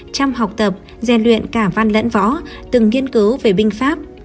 chăm học tập dè luyện cả văn lẫn võ từng nghiên cứu về binh pháp